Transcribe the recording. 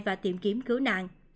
và tìm kiếm cứu nạn